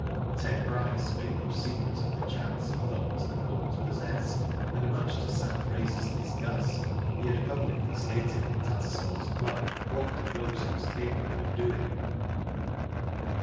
Ted Bryce made no secret of the chance he thought the colt possessed, and much to Sam Eraser's disgust he had publicly stated in Tatter sail's Club what The Ghost was capable of doing.